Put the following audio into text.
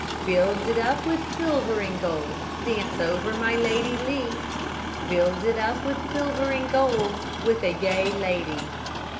Build it up with silver and gold, Dance over my Lady Lee; Build it up with silver and gold, With a gay lady.